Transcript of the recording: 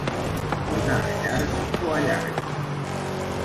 Donar allargs o allargues.